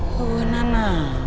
nah nah nah nah